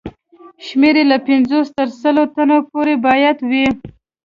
شمېر یې له پنځوس تر سلو تنو پورې باید وي.